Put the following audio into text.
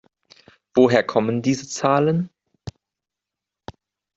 Woher kommen diese Zahlen?